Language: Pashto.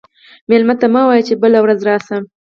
مېلمه ته مه وایه چې بله ورځ راشه.